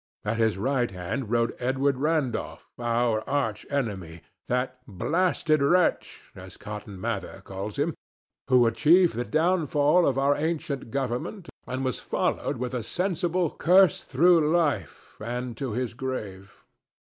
At his right hand rode Edward Randolph, our arch enemy, that "blasted wretch," as Cotton Mather calls him, who achieved the downfall of our ancient government and was followed with a sensible curse through life and to his grave.